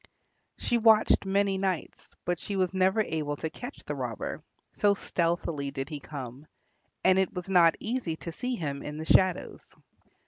She watched many nights, but she was never able to catch the robber, so stealthily did he come, and it was not easy to see him in the shadows.